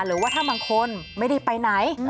หรือว่าถ้าบางคนไม่ได้ไปไหน